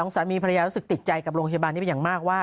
สามีภรรยารู้สึกติดใจกับโรงพยาบาลนี้เป็นอย่างมากว่า